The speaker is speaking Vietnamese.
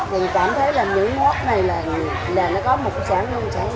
mình cảm thấy là những món này là nó có một sản lượng rất ngon